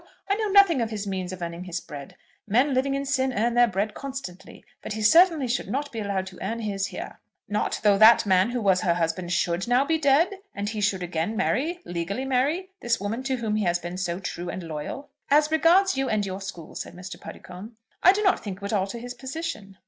I know nothing of his means of earning his bread. Men living in sin earn their bread constantly. But he certainly should not be allowed to earn his here." "Not though that man who was her husband should now be dead, and he should again marry, legally marry, this woman to whom he has been so true and loyal?" "As regards you and your school," said Mr. Puddicombe, "I do not think it would alter his position."